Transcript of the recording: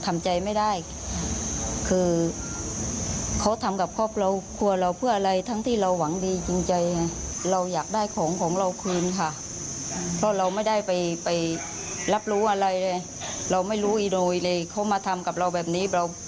เราไม่รู้อีโนยเลยเค้ามาทำกับเราแบบนี้